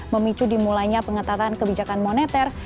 memicu dimulainya pengetatan kebijakan moneter